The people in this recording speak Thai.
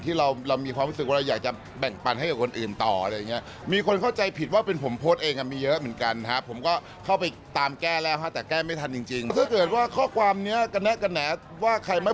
ถ้าเกิดว่าข้อความนี้กะแนะว่าใครมั้ย